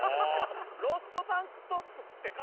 ロストタンクトップってか？